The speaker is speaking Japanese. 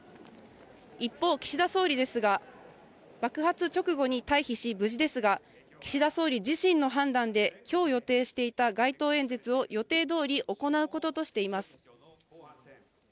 一方、岸田総理ですが、爆発直後に退避し無事ですが岸田総理自身の判断で今日予定していた街頭演説を予定どおり行うこととしています。